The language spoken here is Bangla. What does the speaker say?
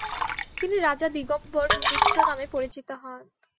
তিনি রাজা দিগম্বর মিত্র নামে পরিচিত হন।